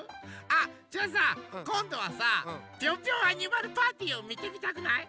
あっじゃあさこんどはさ「ピョンピョンアニマルパーティー」をみてみたくない？